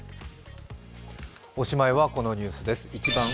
おしまいはこのニュースです。